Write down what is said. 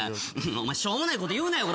お前しょうもないこと言うなよ。